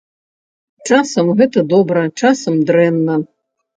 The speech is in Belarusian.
Часам гэта добра, часам дрэнна.